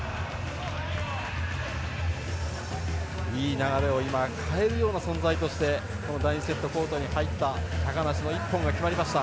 流れを今、変えるような存在としてこの第２セットコートに入った高梨の１本が決まりました。